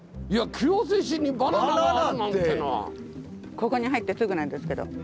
ここに入ってすぐなんですけど。